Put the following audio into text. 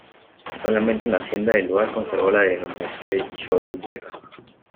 Solamente una hacienda del lugar conservó la denominación de Choluteca.